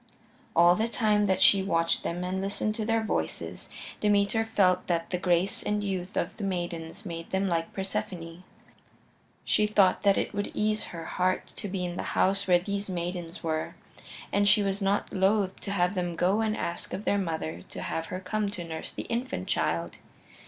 All the time that she watched them and listened to their voices Demeter felt that the grace and youth of the maidens made them like Persephone. She thought that it would ease her heart to be in the house where these maidens were, and she was not loath to have them go and ask of their mother to have her come to nurse the infant child.